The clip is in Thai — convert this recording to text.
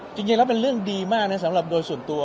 จริงแล้วเป็นเรื่องดีมากนะสำหรับโดยส่วนตัว